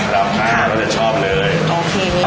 แล้วนะจะชอป